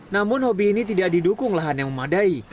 namun hobi ini tidak didukung lahan yang memadai